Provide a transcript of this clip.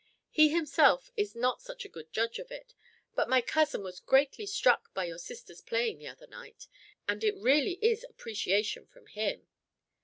He himself is not such a good judge of it, but my cousin was greatly struck with your sister's playing the other night, and it really is appreciation from him."